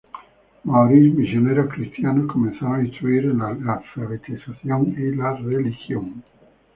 Maoríes misioneros cristianos comenzaron a instruir en la alfabetización y la religión.